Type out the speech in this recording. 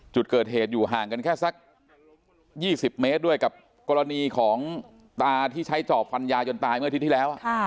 จุดเกิดเหตุอยู่ห่างกันแค่สัก๒๐เมตรด้วยกับกรณีของตาที่ใช้จอบฟันยายจนตายเมื่ออาทิตย์ที่แล้ว